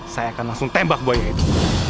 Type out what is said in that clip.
saya akan langsung tembak buaya itu